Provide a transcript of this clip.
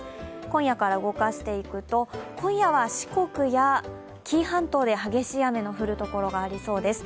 今夜から動かしていくと、今夜は四国や紀伊半島で激しい雨の降るところがありそうです。